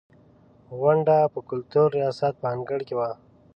غونډه په کلتور ریاست په انګړ کې وه.